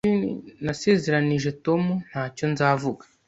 Nasezeranije Tom ntacyo nzavuga.